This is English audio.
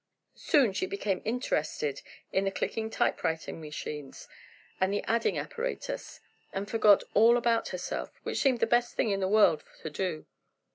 Soon she became interested in the clicking typewriting machines, and the adding apparatus, and forgot all about herself, which seemed the best thing in the world to do.